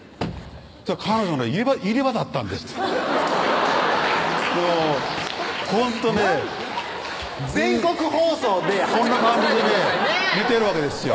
彼女入れ歯だったんですもうほんとね全国放送でこんな感じでね寝てるわけですよ